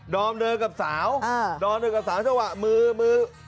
ดอมเดินกับสาวอ่าดอมเดินกับสาวเฉพาะมือมือ